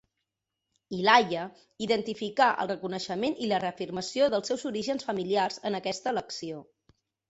Ilaiah identificà el reconeixement i la reafirmació dels seus orígens familiars en aquesta elecció.